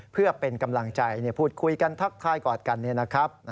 เพื่อเป็นกำลังใจพูดคุยกันทักทายกอดกันเนี่ยนะครับ